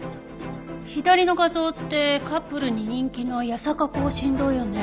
左の画像ってカップルに人気の八坂庚申堂よね。